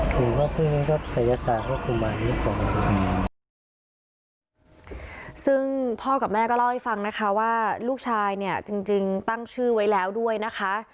ซึ่งพ่อกับแม่ก็เล่าให้ฟังนะคะว่าลูกชายเนี่ยจริงตั้งชื่อไว้แล้วด้วยนะคะ